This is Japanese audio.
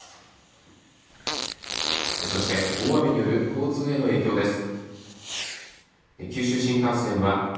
そして大雨による交通への影響です。